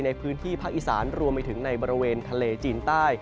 ในพื้นที่ภาคอีสานรวมไปถึงในบริเวณทะเลจีนใต้